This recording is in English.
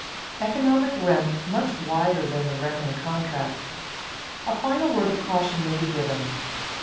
[Sidenote: Economic rent much wider than the renting contract] A final word of caution may be given.